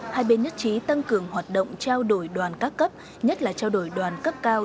hai bên nhất trí tăng cường hoạt động trao đổi đoàn các cấp nhất là trao đổi đoàn cấp cao